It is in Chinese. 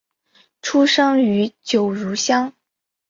出生于九如乡。